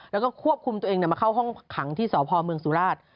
แล้วก็ควบคุมตัวเองมาเข้าห้องขังที่สพเมืองสุราช